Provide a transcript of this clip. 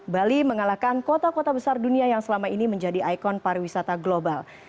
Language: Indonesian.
bali mengalahkan kota kota besar dunia yang selama ini menjadi ikon pariwisata global